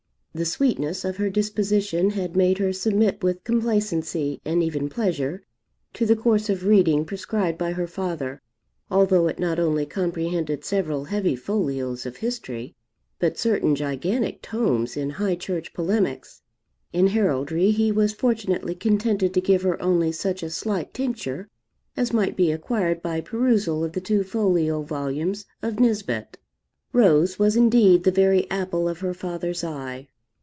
The sweetness of her disposition had made her submit with complacency, and even pleasure, to the course of reading prescribed by her father, although it not only comprehended several heavy folios of history, but certain gigantic tomes in high church polemics. In heraldry he was fortunately contented to give her only such a slight tincture as might be acquired by perusal of the two folio volumes of Nisbet. Rose was indeed the very apple of her father's eye.